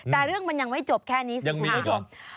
แต่เรื่องมันยังไม่จบแค่นี้สิครับ